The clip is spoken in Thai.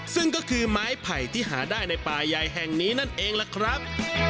ซึ่งก็คือไม้ไผ่ที่หาได้ในป่าใหญ่แห่งนี้นั่นเองล่ะครับ